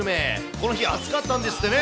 この日、暑かったんですってね。